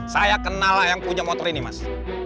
saya kenal lah yang punya motor ini mas